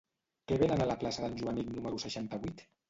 Què venen a la plaça d'en Joanic número seixanta-vuit?